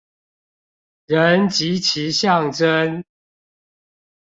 人及其象徵